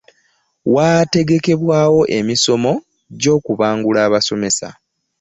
Wateekebwawo emisomo egy'okubangula abasomesa